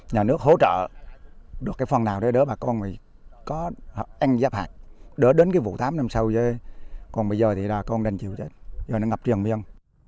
nhà nước hỗ trợ được cái phần nào đó đỡ bà con thì có anh giáp hạt đỡ đến cái vụ thám năm sau rồi còn bây giờ thì là con đành chịu chết giờ nó ngập trường miên